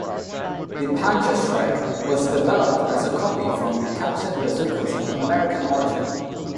The Panzerschreck was developed as a copy from captured bazookas of American origin.